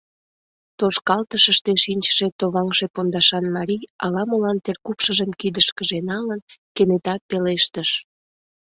Тошкалтышыште шинчыше товаҥше пондашан марий ала-молан теркупшыжым кидышкыже налын, кенета пелештыш: